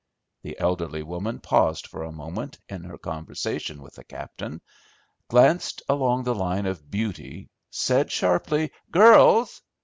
The elderly woman paused for a moment in her conversation with the captain, glanced along the line of beauty, said sharply, 'Girls!